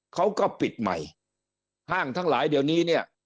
เขาก็ปิดใหม่ห้างทั้งหลายเดี๋ยวนี้เนี่ย